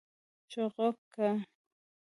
🐦 چوغکه